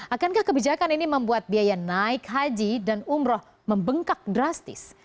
akankah kebijakan ini membuat biaya naik haji dan umroh membengkak drastis